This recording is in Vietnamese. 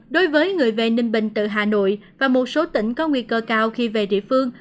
đối với người về ninh bình tự hà nội và một số tỉnh có nguy cơ cao khi về địa phương